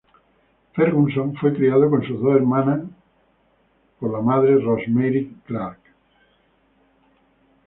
Ferguson fue criado con sus dos hermanos por la madre Rosemary Clarke.